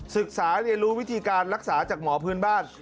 ศึกษาเรียนรู้วิธีการรักษาจากหมอพื้นบ้าน